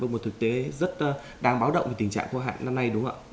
một thực tế rất đang báo động về tình trạng khô hạn năm nay đúng không ạ